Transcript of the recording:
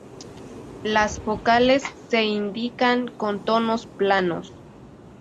Las "vocales" se indican con tonos planos.